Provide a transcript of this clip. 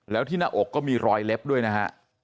แล้วที่หน้าอกก็มีรอยเล็บด้วยนะฮะ